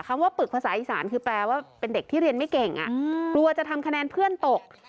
คำว่าปรึกภาษาอีสานคือแปลว่าเป็นเด็กที่เรียนไม่เก่งกลัวจะทำคะแนนเพื่อนตก